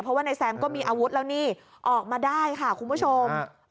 เพราะว่านายแซมก็มีอาวุธแล้วนี่ออกมาได้ค่ะคุณผู้ชม